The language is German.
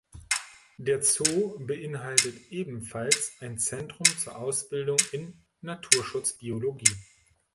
Der Zoo beinhaltet ebenfalls ein Zentrum zur Ausbildung in Naturschutzbiologie.